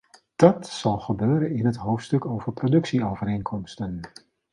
Dat zal gebeuren in het hoofdstuk over productieovereenkomsten.